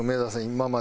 今まで。